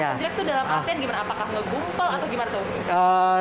akan jelek itu dalam artian gimana apakah ngegumpel atau gimana tuh